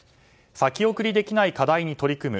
先送りできない課題について取り組む。